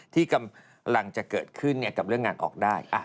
ที่กำลังจะเกิดขึ้นกับเรื่องงานออกได้